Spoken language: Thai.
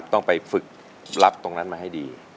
ต้องไปฝึกรับตรงนั้นมาให้ดี